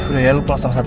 lo mau kemana